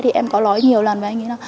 thì em có nói nhiều lần với anh ấy